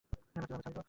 তারপর কিভাবে ছাড়লো?